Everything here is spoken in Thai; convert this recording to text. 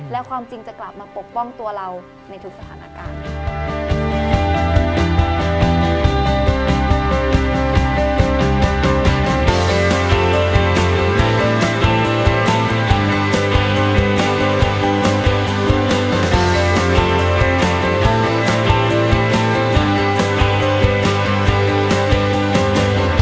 แล้วความจริงจะกลับมาปกป้องตัวเราในทุกสถานการณ์